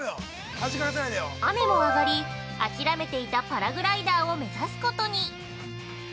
雨も上がり、諦めていたパラグライダーを目指すことに。